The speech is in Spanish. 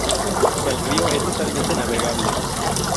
El río es totalmente navegable.